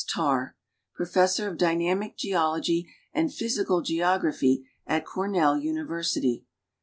Tarr, Professor of Dynamic Geoloiiy and Physical Geography at Cornell University.